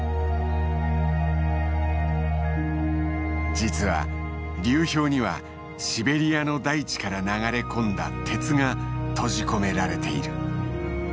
実は流氷にはシベリアの大地から流れ込んだ鉄が閉じ込められている。